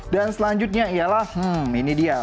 dan selanjutnya ialah hmm ini dia